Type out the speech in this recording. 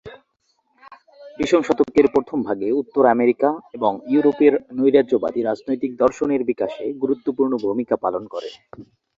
বিংশ শতকের প্রথম ভাগে উত্তর আমেরিকা এবং ইউরোপে নৈরাজ্যবাদী রাজনৈতিক দর্শনের বিকাশে গুরুত্বপূর্ণ ভূমিকা পালন করেন।